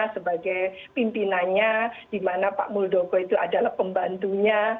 sebagai pimpinannya di mana pak muldoko itu adalah pembantunya